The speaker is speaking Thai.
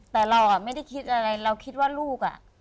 แต่เราไม่ได้คิดอะไรเราคิดว่าลูกอ่ะ